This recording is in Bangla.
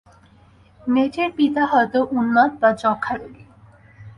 মেয়েটির পিতা হয়তো উন্মাদ বা যক্ষ্মারোগী।